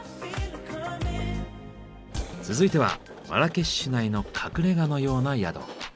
続いてはマラケシュ市内の隠れ家のような宿。